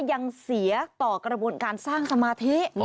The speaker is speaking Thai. ยังเสียต่อกระบวนการสร้างสมาธิ